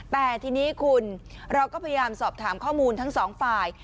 แต่ทีนี้คุณเราก็พยายามสอบถามข้อมูลทั้งสองฝ่าย